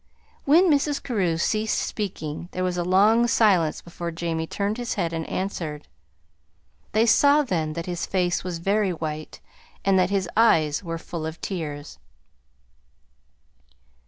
When Mrs. Carew ceased speaking there was a long silence before Jamie turned his head and answered. They saw then that his face was very white, and that his eyes were full of tears.